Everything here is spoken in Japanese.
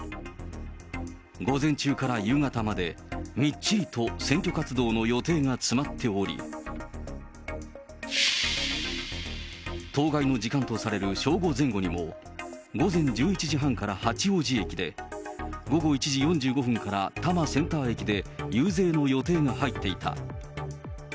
午前中から夕方まで、みっちりと選挙活動の予定が詰まっており、当該の時間とされる正午前後にも、午前１１時半から八王子駅で、午後１時４５分から多摩センター駅で遊説の予定が入っていた。